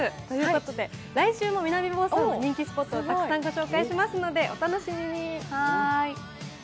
ということで、来週も南房総の人気スポットをたくさんご紹介しますので、お楽しみに！